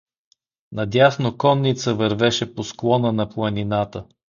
Надясно конница вървеше по склона на планината.